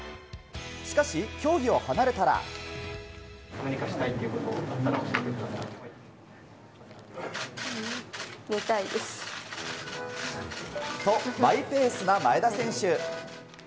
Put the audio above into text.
しかし競技を離れたら。とマイペースな前田選手。